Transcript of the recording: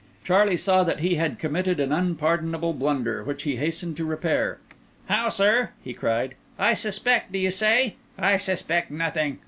Charlie saw that he had committed an unpardonable blunder, which he hastened to repair. "How, sir?" he cried; "I suspect, do you say? I suspect nothing.